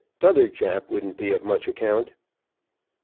T'other chap wouldn't be of much account."